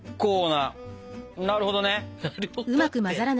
なるほどね！